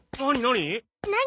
何？